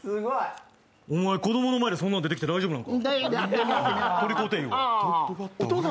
お前、子供の前でそんなん出てきて大丈夫なのか？